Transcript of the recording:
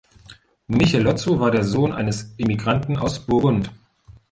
Michelozzo war der Sohn eines Emigranten aus Burgund.